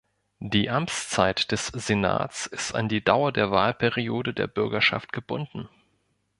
Die Amtszeit des Senats ist an die Dauer der Wahlperiode der Bürgerschaft gebunden.